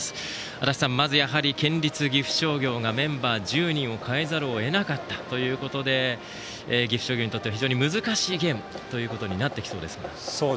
足達さん、まず県立岐阜商業がメンバー１０人を変えざるを得なかったということで岐阜商業にとっては非常に難しいゲームとなってきそうですか。